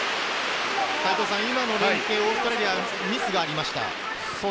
今の連携、オーストラリア、ミスがありました。